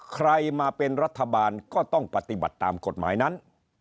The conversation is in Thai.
ใครมาเป็นรัฐบาลก็ต้องปฏิบัติตามกฎหมายนั้น